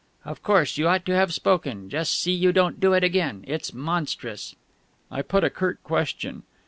"Of course, you ought to have spoken! Just you see you don't do it again. It's monstrous!" I put a curt question.